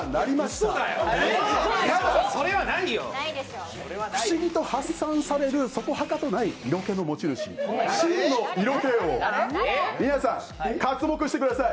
ただ、不思議と発散されるそこはかとない色気の持ち主真の色気を皆さん、かつもくしてください。